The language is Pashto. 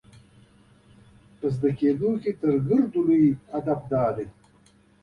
په زده کړه کې تر ټولو لوی هدف دا دی.